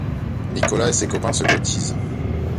Nicolas et ses copains se cotisent.